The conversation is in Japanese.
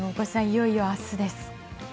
いよいよ明日です。